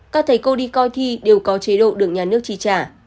các thầy cô đi coi thi đều có chế độ được nhà nước trì trả